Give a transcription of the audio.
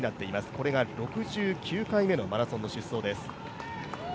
これが６９回目のマラソンの出走です。